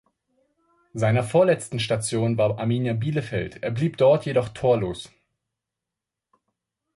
Seiner vorletzte Station war Arminia Bielefeld, er blieb dort jedoch torlos.